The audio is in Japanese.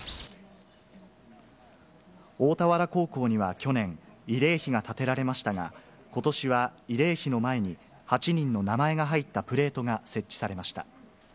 大田原高校には去年、慰霊碑が建てられましたが、ことしは慰霊碑の前に８人の名前が入ったプレートが設置されました。